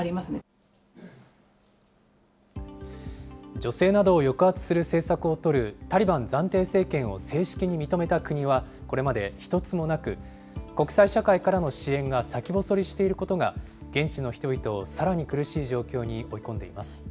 女性などを抑圧する政策をとるタリバン暫定政権を正式に認めた国はこれまで１つもなく、国際社会からの支援が先細りしていることが、現地の人々をさらに苦しい状況に追い込んでいます。